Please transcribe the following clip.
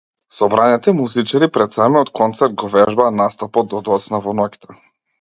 Собраните музичари пред самиот концерт го вежбаа настапот до доцна во ноќта.